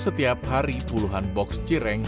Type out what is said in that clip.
setiap hari puluhan boks sireng